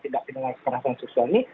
tidak pindah kekerasan seksual ini